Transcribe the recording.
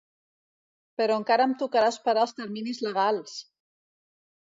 Però encara em tocarà esperar els terminis legals!